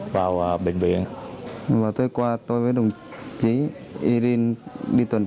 vào bệnh viện